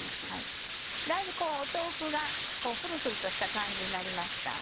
だいぶ豆腐がふるふるとした感じになりました。